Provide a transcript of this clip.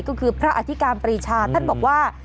ก็คือพระอธิการปรีชาท่านบอกว่า